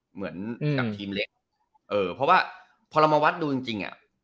เหมือนกับทีมเล็กเพราะว่าพอละมวัดดูจริง